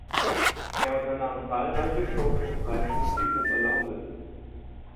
Er unternahm zahlreiche Forschungsreisen durch die Oberlausitz.